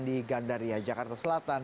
di gandaria jakarta selatan